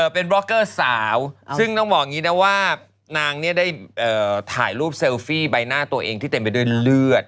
เป็นบล็อกเกอร์สาวซึ่งต้องบอกอย่างนี้นะว่านางเนี่ยได้ถ่ายรูปเซลฟี่ใบหน้าตัวเองที่เต็มไปด้วยเลือด